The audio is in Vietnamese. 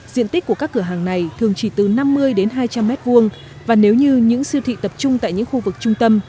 diện tích của các cửa hàng này thường chỉ từ năm mươi đến hai trăm linh m hai và nếu như những siêu thị tập trung tại những khu vực trung tâm